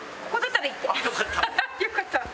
よかった。